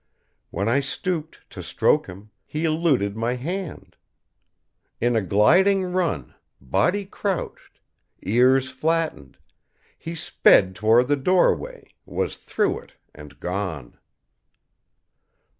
When I stooped to stroke him, he eluded my hand. In a gliding run, body crouched, ears flattened, he sped toward the doorway, was through it and gone.